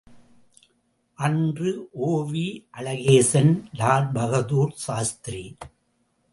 அன்று ஓ.வி.அளகேசன், லால்பகதர் சாஸ்திரி!